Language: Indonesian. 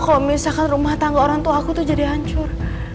kalau misalkan rumah tangga orang tua aku tuh jadi hancur